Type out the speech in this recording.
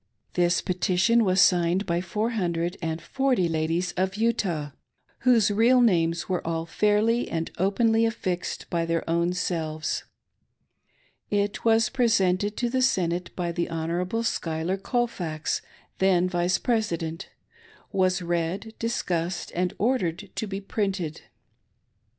This petition was signed by four hundred and forty ladies of Utah, most of them members of the Mormon Church, whose real names were all fairly and openly affixed by their own selves. It was presented to the Senate by the Hon. Schuyler Colfax — then Vice President; was read, discussed, and ordered to be printed.